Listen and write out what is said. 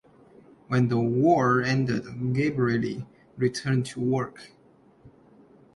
When the war ended Gabrielli returned to work.